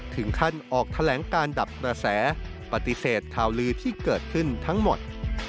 ถึงขั้นออกแถลงการดับกระแสปฏิเสธข่าวลือที่เกิดขึ้นทั้งหมด